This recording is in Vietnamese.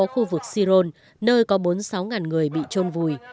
khu vực siron nơi có bốn mươi sáu người bị trôn vùi